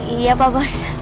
iya pak bos